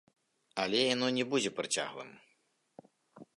Але яно не будзе працяглым.